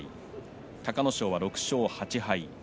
隆の勝は６勝８敗。